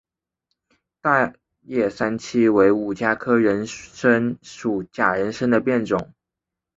大叶三七为五加科人参属假人参的变种。